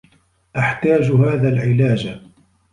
أحتاج هذا العلاج.